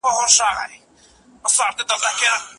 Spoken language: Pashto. هيچا ته په شخصي ژوند کي د مداخلې حق څنګه نه ورکوئ؟